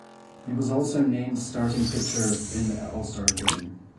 He was also named starting pitcher in the All-Star Game.